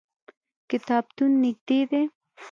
کتابتون نږدې دی